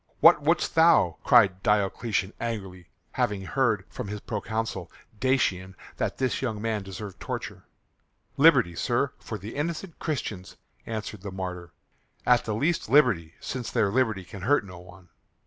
"What wouldst thou?" cried Diocletian angrily, having heard from his proconsul Dacian that this young man deserved torture. "Liberty, sir, for the innocent Christians," answered the martyr. "At the least liberty, since their liberty can hurt no one."